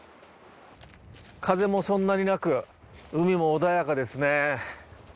風もそんなになく海も穏やかですね。